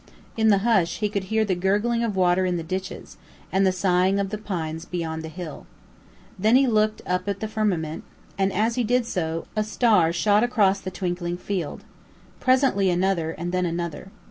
In the hush he could hear the gurgling of water in the ditches, and the sighing of the pines beyond the hill. Then he looked up at the firmament, and as he did so a star shot across the twinkling field. Presently another, and then another.